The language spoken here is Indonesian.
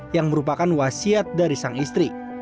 yang merupakan wasiat dari sang istri